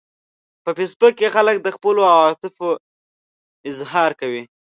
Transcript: په فېسبوک کې خلک د خپلو عواطفو اظهار کوي